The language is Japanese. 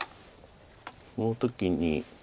この時に。